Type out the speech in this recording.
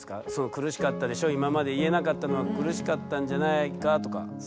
苦しかったでしょ今まで言えなかったのは苦しかったんじゃないかとか。